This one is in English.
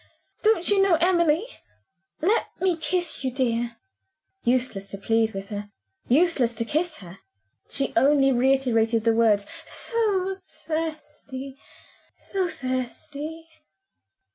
Don't you know Emily? Let me kiss you, dear!" Useless to plead with her; useless to kiss her; she only reiterated the words, "So thirsty! so thirsty!"